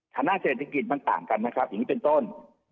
ธนาศาสนิทธิกิจมันต่างกันนะครับอย่างนี้เป็นต้น